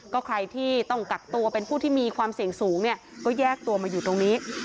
ก็ใครที่ต้องกักตัวเป็นผู้ที่มีความเสี่ยงสูงเนี่ยก็แยกตัวมาอยู่ตรงนี้